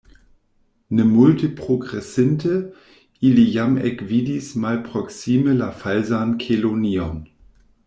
Ne multe progresinte, ili jam ekvidis malproksime la Falsan Kelonion.